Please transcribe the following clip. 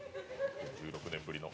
１６年ぶりの。